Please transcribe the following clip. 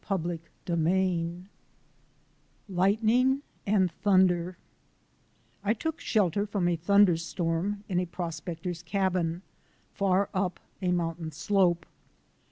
CHAPTER IX LIGHTNING AND THUNDER I TOOK shelter from a thunder storm in a pros pector's cabin, far up a mountain slope.